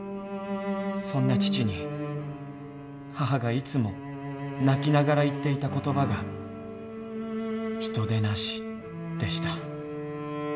そんな父に母がいつも泣きながら言っていた言葉が人でなしでした。